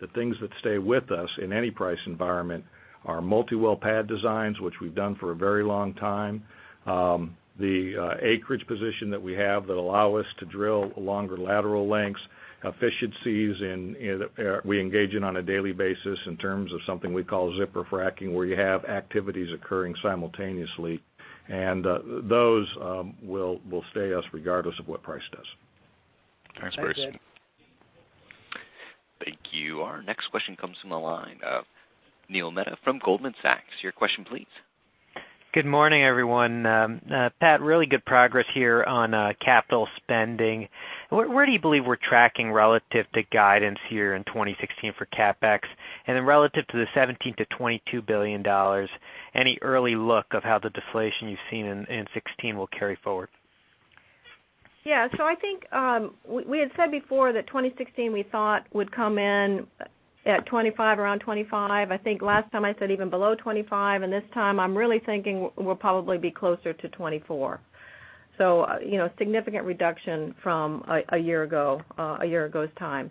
the things that stay with us in any price environment are multi-well pad designs, which we've done for a very long time. The acreage position that we have that allow us to drill longer lateral lengths, efficiencies in we engage in on a daily basis in terms of something we call zipper fracking, where you have activities occurring simultaneously. Those will stay us regardless of what price does. Thanks, Bruce. That's it. Thank you. Our next question comes from the line of Neil Mehta from Goldman Sachs. Your question, please. Good morning, everyone. Pat, really good progress here on capital spending. Where do you believe we're tracking relative to guidance here in 2016 for CapEx, and then relative to the $17 billion-$22 billion, any early look of how the deflation you've seen in 2016 will carry forward? Yeah. I think we had said before that 2016 we thought would come in at 25, around 25. I think last time I said even below 25, and this time I'm really thinking we'll probably be closer to 24. Significant reduction from a year ago's time.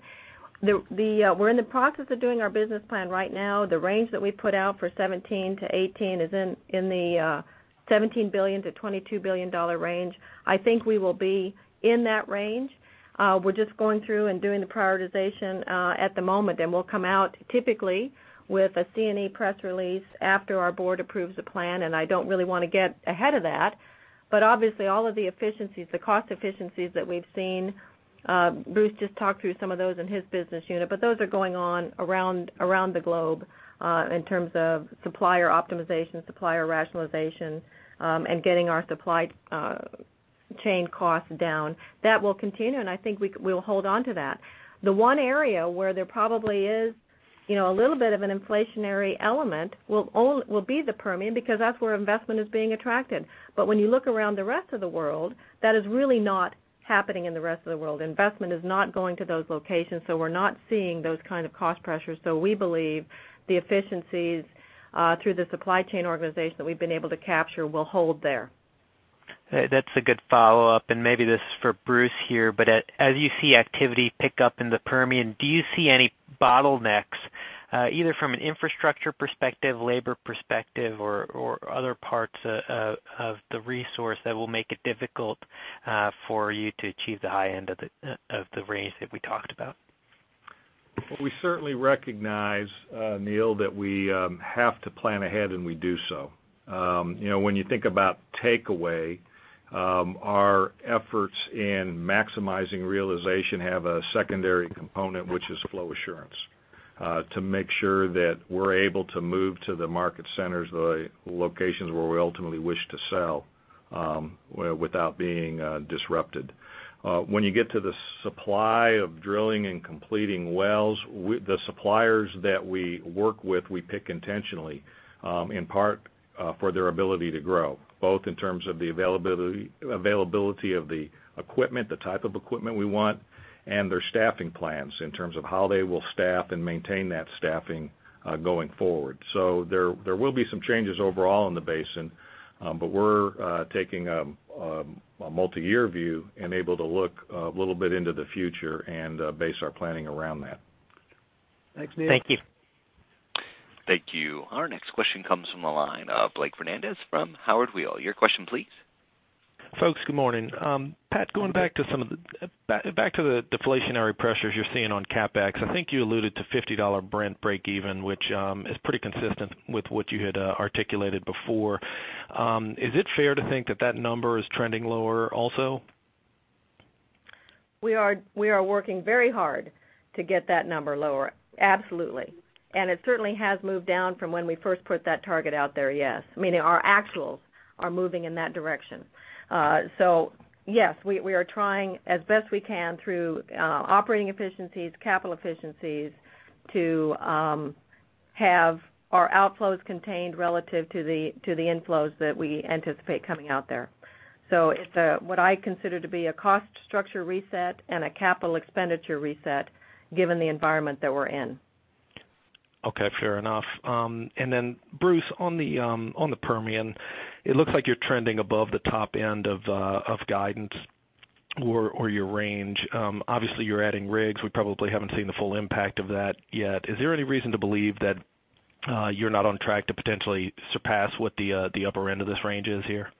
We're in the process of doing our business plan right now. The range that we put out for 2017 to 2018 is in the $17 billion-$22 billion range. I think we will be in that range. We're just going through and doing the prioritization at the moment, and we'll come out typically with a C&E press release after our board approves the plan, and I don't really want to get ahead of that. Obviously all of the efficiencies, the cost efficiencies that we've seen, Bruce just talked through some of those in his business unit, but those are going on around the globe in terms of supplier optimization, supplier rationalization, and getting our supply chain costs down. That will continue, and I think we'll hold onto that. The one area where there probably is a little bit of an inflationary element will be the Permian because that's where investment is being attracted. When you look around the rest of the world, that is really not happening in the rest of the world. Investment is not going to those locations, so we're not seeing those kind of cost pressures. We believe the efficiencies through the supply chain organization that we've been able to capture will hold there. That's a good follow-up, and maybe this is for Bruce here, but as you see activity pick up in the Permian, do you see any bottlenecks either from an infrastructure perspective, labor perspective, or other parts of the resource that will make it difficult for you to achieve the high end of the range that we talked about? We certainly recognize, Neil, that we have to plan ahead, and we do so. When you think about takeaway, our efforts in maximizing realization have a secondary component, which is flow assurance to make sure that we're able to move to the market centers, the locations where we ultimately wish to sell without being disrupted. When you get to the supply of drilling and completing wells, the suppliers that we work with, we pick intentionally in part for their ability to grow, both in terms of the availability of the equipment, the type of equipment we want, and their staffing plans in terms of how they will staff and maintain that staffing going forward. There will be some changes overall in the basin, but we're taking a multi-year view and able to look a little bit into the future and base our planning around that. Thanks, Neil. Thank you Thank you. Our next question comes from the line of Blake Fernandez from Howard Weil. Your question, please. Folks, good morning. Pat, going back to the deflationary pressures you're seeing on CapEx, I think you alluded to $50 Brent breakeven, which is pretty consistent with what you had articulated before. Is it fair to think that that number is trending lower also? We are working very hard to get that number lower. Absolutely. It certainly has moved down from when we first put that target out there, yes. Our actuals are moving in that direction. Yes, we are trying as best we can through operating efficiencies, capital efficiencies, to have our outflows contained relative to the inflows that we anticipate coming out there. It's what I consider to be a cost structure reset and a capital expenditure reset, given the environment that we're in. Okay, fair enough. Then Bruce, on the Permian, it looks like you're trending above the top end of guidance or your range. Obviously, you're adding rigs. We probably haven't seen the full impact of that yet. Is there any reason to believe that you're not on track to potentially surpass what the upper end of this range is here?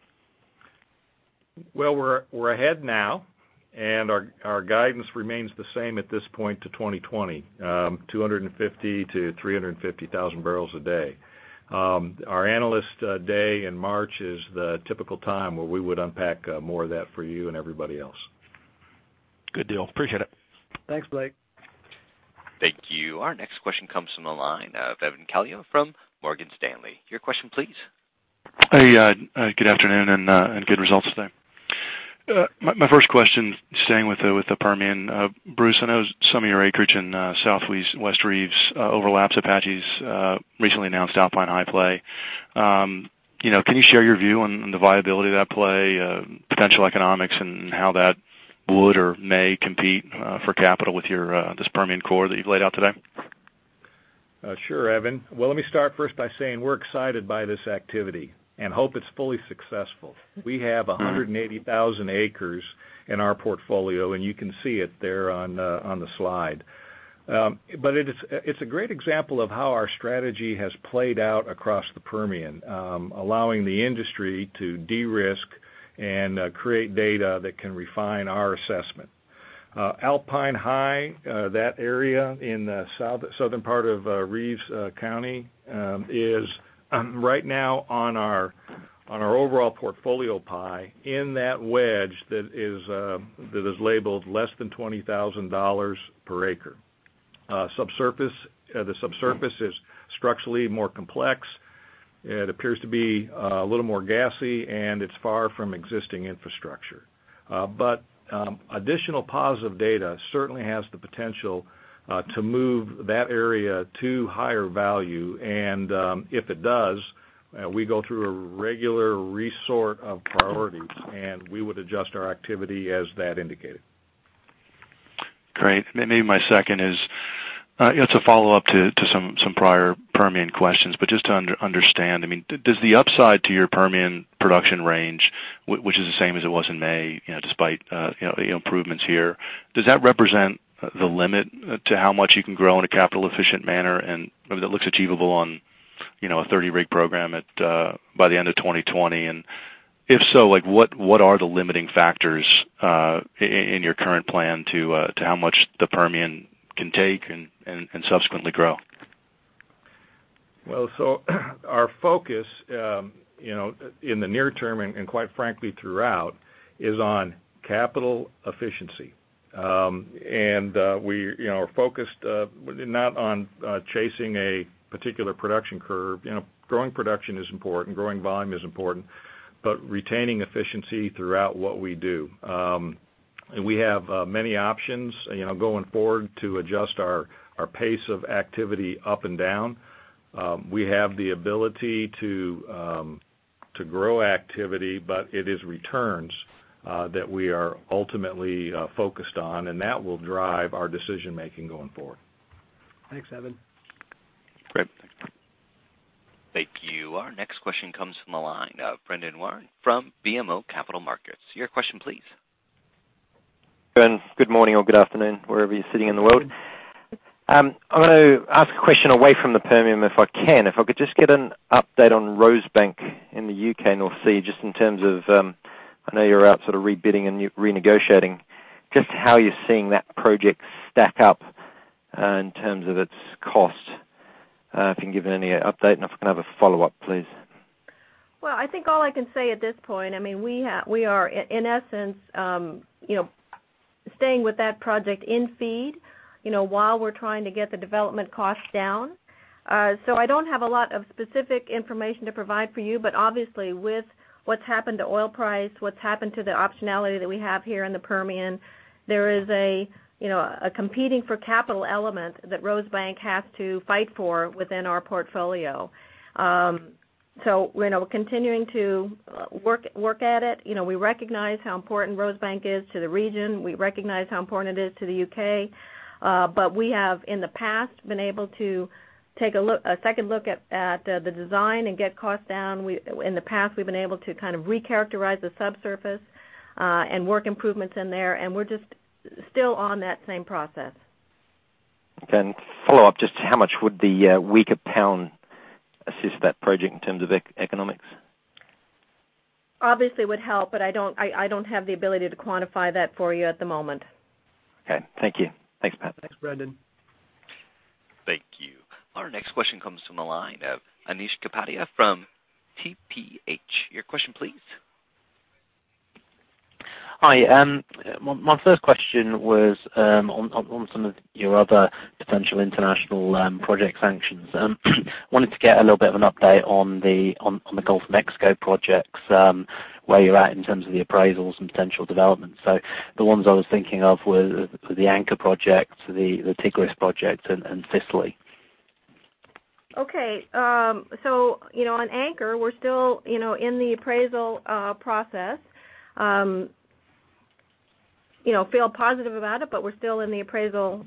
Well, we're ahead now, our guidance remains the same at this point to 2020, 250,000-350,000 barrels a day. Our analyst day in March is the typical time where we would unpack more of that for you and everybody else. Good deal. Appreciate it. Thanks, Blake. Thank you. Our next question comes from the line of Evan Calio from Morgan Stanley. Your question, please. Hey, good afternoon and good results today. My first question, staying with the Permian. Bruce, I know some of your acreage in South Reeves, West Reeves, overlaps Apache's recently announced Alpine High play. Can you share your view on the viability of that play, potential economics, and how that would or may compete for capital with this Permian core that you've laid out today? Sure, Evan. Well, let me start first by saying we're excited by this activity and hope it's fully successful. We have 180,000 acres in our portfolio, and you can see it there on the slide. It's a great example of how our strategy has played out across the Permian, allowing the industry to de-risk and create data that can refine our assessment. Alpine High, that area in the southern part of Reeves County, is right now on our overall portfolio pie in that wedge that is labeled less than $20,000 per acre. The subsurface is structurally more complex. It appears to be a little more gassy, and it's far from existing infrastructure. Additional positive data certainly has the potential to move that area to higher value, and if it does, we go through a regular resort of priorities, and we would adjust our activity as that indicated. Great. Maybe my second is, it's a follow-up to some prior Permian questions, but just to understand, does the upside to your Permian production range, which is the same as it was in May, despite improvements here, does that represent the limit to how much you can grow in a capital efficient manner? Maybe that looks achievable on a 30-rig program by the end of 2020, and if so, what are the limiting factors in your current plan to how much the Permian can take and subsequently grow? Well, our focus, in the near term and quite frankly throughout, is on capital efficiency. We are focused not on chasing a particular production curve. Growing production is important, growing volume is important, but retaining efficiency throughout what we do. We have many options going forward to adjust our pace of activity up and down. We have the ability to grow activity, but it is returns that we are ultimately focused on, and that will drive our decision making going forward. Thanks, Evan. Great. Thank you. Our next question comes from the line of Brendan Warn from BMO Capital Markets. Your question, please. Brendan, good morning or good afternoon, wherever you're sitting in the world. I'm going to ask a question away from the Permian if I can. If I could just get an update on Rosebank in the U.K. North Sea, just in terms of, I know you're out sort of rebidding and renegotiating. Just how you're seeing that project stack up in terms of its cost. If you can give any update, and if I can have a follow-up, please. Well, I think all I can say at this point, we are in essence staying with that project in FEED, while we're trying to get the development cost down. I don't have a lot of specific information to provide for you, but obviously with what's happened to oil price, what's happened to the optionality that we have here in the Permian, there is a competing for capital element that Rosebank has to fight for within our portfolio. We're continuing to work at it. We recognize how important Rosebank is to the region. We recognize how important it is to the U.K. We have in the past been able to take a second look at the design and get cost down. In the past, we've been able to kind of recharacterize the subsurface, and work improvements in there, and we're just still on that same process. Okay. Follow up, just how much would the weaker pound assist that project in terms of economics? Obviously would help, I don't have the ability to quantify that for you at the moment. Okay. Thank you. Thanks, Pat. Thanks, Brendan. Thank you. Our next question comes from the line of Anish Kapadia from TPH. Your question, please. Hi. My first question was on some of your other potential international project sanctions. Wanted to get a little bit of an update on the Gulf of Mexico projects, where you're at in terms of the appraisals and potential developments. The ones I was thinking of were the Anchor project, the Tigris project, and Sicily. Okay. On Anchor, we're still in the appraisal process. Feel positive about it, we're still in the appraisal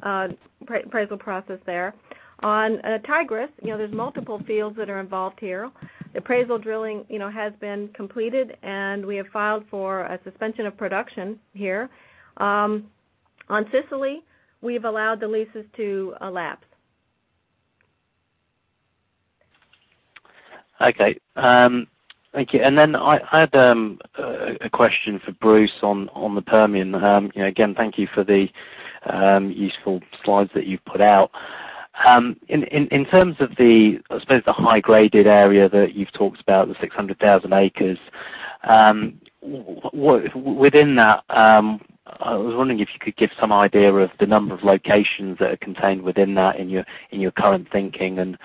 process there. On Tigris, there's multiple fields that are involved here. The appraisal drilling has been completed, we have filed for a suspension of production here. On Sicily, we've allowed the leases to elapse. Okay. Thank you. I had a question for Bruce on the Permian. Again, thank you for the useful slides that you've put out. In terms of the, I suppose, the high-graded area that you've talked about, the 600,000 acres. Within that, I was wondering if you could give some idea of the number of locations that are contained within that in your current thinking,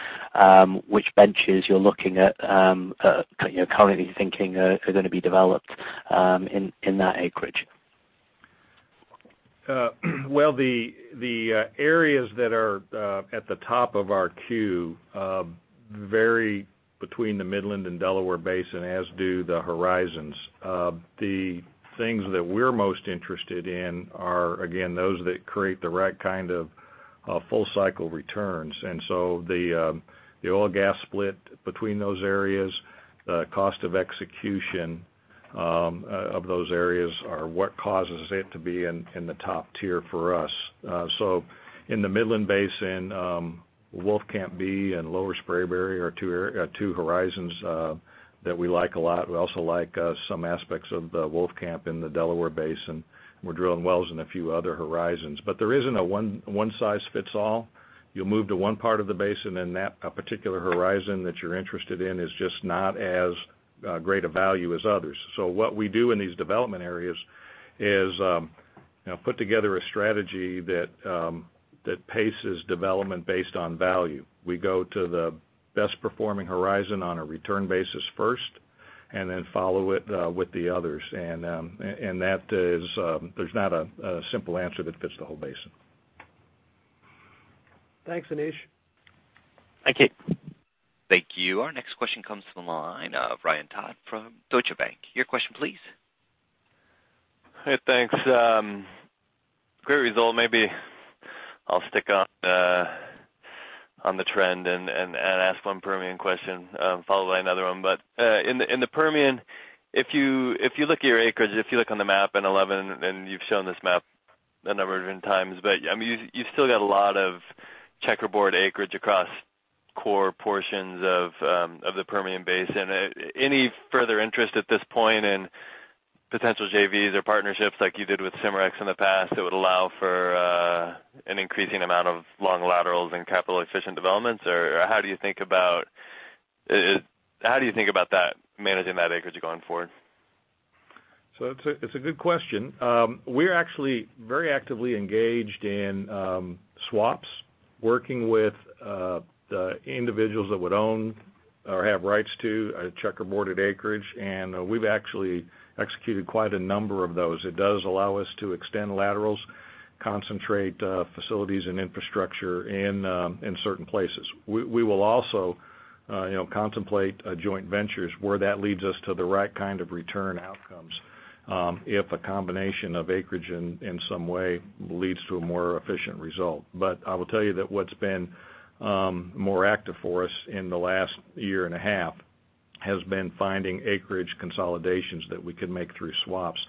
which benches you're looking at currently thinking are going to be developed in that acreage. The areas that are at the top of our queue vary between the Midland and Delaware Basin, as do the horizons. The things that we're most interested in are, again, those that create the right kind of full-cycle returns. The oil/gas split between those areas, the cost of execution of those areas are what causes it to be in the top tier for us. In the Midland Basin, Wolfcamp B and Lower Spraberry are two horizons that we like a lot. We also like some aspects of the Wolfcamp in the Delaware Basin. We're drilling wells in a few other horizons. There isn't a one size fits all. You'll move to one part of the basin, and that particular horizon that you're interested in is just not as great a value as others. What we do in these development areas is put together a strategy that paces development based on value. We go to the best-performing horizon on a return basis first, and then follow it with the others. There's not a simple answer that fits the whole basin. Thanks, Anish. Thank you. Thank you. Our next question comes from the line of Ryan Todd from Deutsche Bank. Your question please. Hey, thanks. Great result, maybe I'll stick on the trend and ask one Permian question, followed by another one. In the Permian, if you look at your acreage, if you look on the map in 11, and you've shown this map a number of different times, you've still got a lot of checkerboard acreage across core portions of the Permian Basin. Any further interest at this point in potential JVs or partnerships like you did with Cimarex in the past that would allow for an increasing amount of long laterals and capital-efficient developments? How do you think about managing that acreage going forward? It's a good question. We're actually very actively engaged in swaps, working with the individuals that would own or have rights to a checkerboarded acreage, and we've actually executed quite a number of those. It does allow us to extend laterals, concentrate facilities and infrastructure in certain places. We will also contemplate joint ventures where that leads us to the right kind of return outcomes, if a combination of acreage in some way leads to a more efficient result. I will tell you that what's been more active for us in the last year and a half has been finding acreage consolidations that we can make through swaps,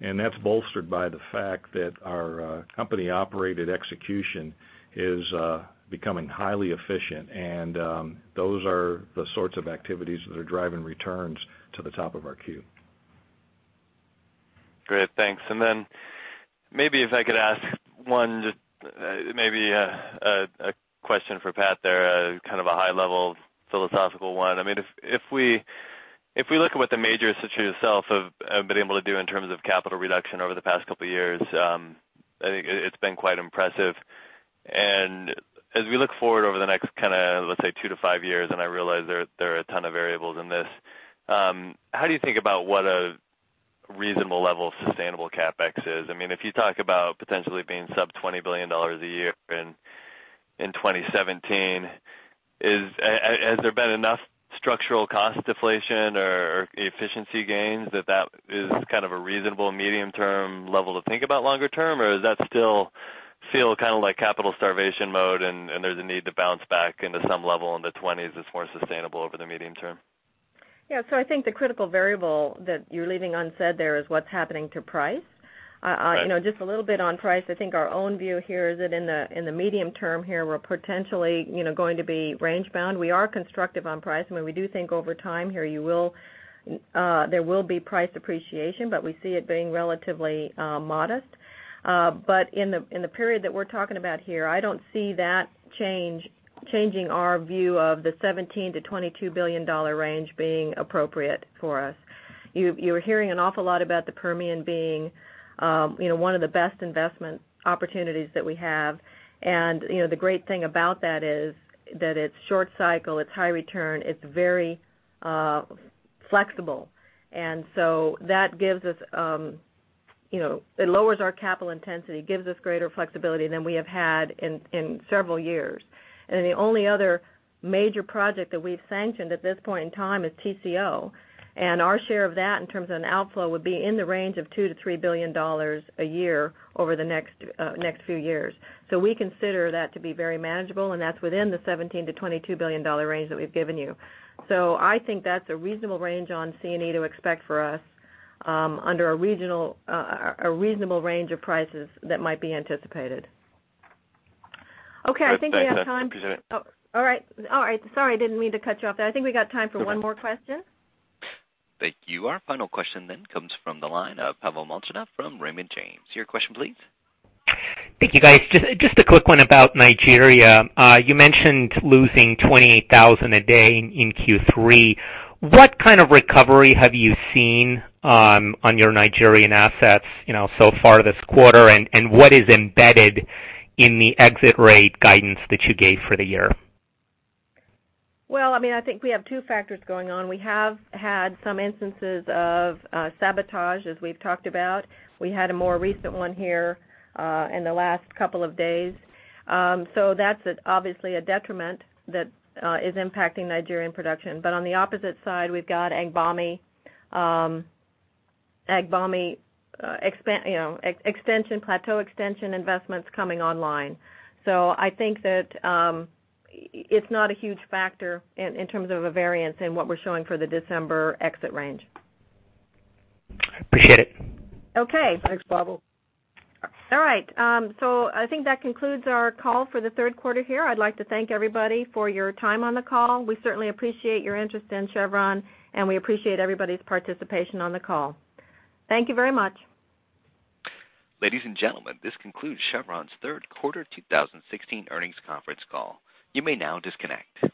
and that's bolstered by the fact that our company-operated execution is becoming highly efficient, and those are the sorts of activities that are driving returns to the top of our queue. Great, thanks. Then maybe if I could ask one, maybe a question for Pat there, kind of a high-level philosophical one. If we look at what the major [inaudible] have been able to do in terms of capital reduction over the past couple of years, I think it's been quite impressive. As we look forward over the next, let's say, two to five years, and I realize there are a ton of variables in this, how do you think about what a reasonable level of sustainable CapEx is? If you talk about potentially being sub-$20 billion a year in 2017, has there been enough structural cost deflation or efficiency gains that that is kind of a reasonable medium-term level to think about longer term? Does that still feel like capital starvation mode and there's a need to bounce back into some level in the 20s that's more sustainable over the medium term? Yeah. I think the critical variable that you're leaving unsaid there is what's happening to price. Just a little bit on price. I think our own view here is that in the medium term here, we're potentially going to be range-bound. We are constructive on price. We do think over time here, there will be price appreciation, but we see it being relatively modest. In the period that we're talking about here, I don't see that changing our view of the $17 billion-$22 billion range being appropriate for us. You're hearing an awful lot about the Permian being one of the best investment opportunities that we have. The great thing about that is that it's short cycle, it's high return, it's very flexible. That lowers our capital intensity, gives us greater flexibility than we have had in several years. The only other major project that we've sanctioned at this point in time is TCO. Our share of that in terms of an outflow would be in the range of $2 billion-$3 billion a year over the next few years. We consider that to be very manageable, and that's within the $17 billion-$22 billion range that we've given you. I think that's a reasonable range on C&E to expect for us under a reasonable range of prices that might be anticipated. Okay, I think we have time. Thanks, Vanessa. Appreciate it. All right. Sorry, I didn't mean to cut you off there. I think we got time for one more question. Thank you. Our final question comes from the line of Pavel Molchanov from Raymond James. Your question, please. Thank you, guys. Just a quick one about Nigeria. You mentioned losing 28,000 a day in Q3. What kind of recovery have you seen on your Nigerian assets so far this quarter, and what is embedded in the exit rate guidance that you gave for the year? Well, I think we have two factors going on. We have had some instances of sabotage, as we've talked about. We had a more recent one here in the last couple of days. That's obviously a detriment that is impacting Nigerian production. On the opposite side, we've got Agbami plateau extension investments coming online. I think that it's not a huge factor in terms of a variance in what we're showing for the December exit range. Appreciate it. Okay. Thanks, Pavel. All right. I think that concludes our call for the third quarter here. I'd like to thank everybody for your time on the call. We certainly appreciate your interest in Chevron, and we appreciate everybody's participation on the call. Thank you very much. Ladies and gentlemen, this concludes Chevron's third quarter 2016 earnings conference call. You may now disconnect.